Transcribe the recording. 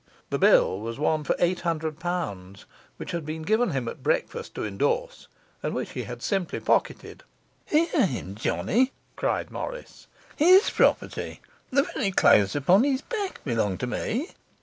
The bill was one for eight hundred pounds, which had been given him at breakfast to endorse, and which he had simply pocketed. 'Hear him, Johnny!' cried Morris. 'His property! the very clothes upon his back belong to me.